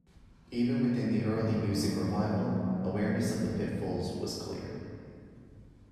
Even within the early music revival, awareness of the pitfalls was clear.